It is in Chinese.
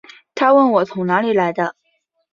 她问我从哪里来的